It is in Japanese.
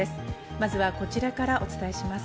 まずはこちらからお伝えします。